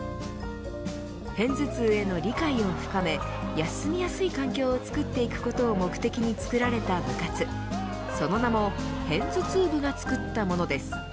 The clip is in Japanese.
片頭痛への理解を深め休みやすい環境を作っていくことを目的に作られた部活その名もヘンズツウ部が作ったものです。